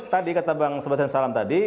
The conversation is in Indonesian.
tadi kata bang sebasan salam tadi